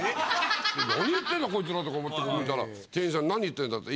何言ってんだこいつらとか思って聞いたら「店員さん何言ってんだ」って。